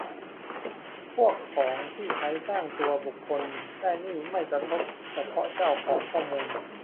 พวกของที่ใช้สร้างตัวตนบุคคลได้นี่ไม่ได้กระทบเฉพาะเจ้าของข้อมูล